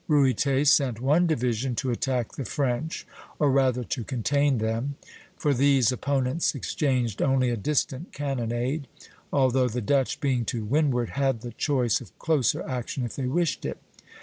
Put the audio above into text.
Ruyter sent one division to attack the French, or rather to contain them; for these opponents exchanged only a distant cannonade, although the Dutch, being to windward, had the choice of closer action if they wished it.